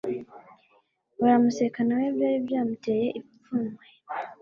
baramuseka nawe byari byamuteye imfunwe